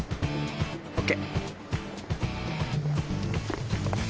ＯＫ！